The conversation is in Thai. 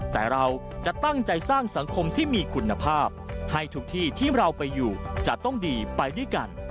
แต่เราจะตั้งใจสร้างสังคมที่มีคุณภาพให้ทุกที่ที่เราไปอยู่จะต้องดีไปด้วยกัน